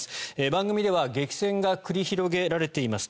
番組では激戦が繰り広げられています